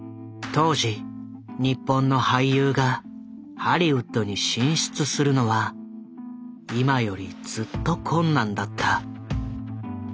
当時日本の俳優がハリウッドに進出するのは今よりずっと困難だった。